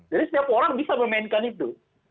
jadi setiap orang bisa memainkan itu